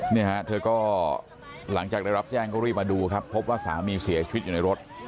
เนี่ยฮะเธอก็หลังจากได้รับแจ้งก็รีบมาดูครับพบว่าสามีเสียชีวิตอยู่ในรถ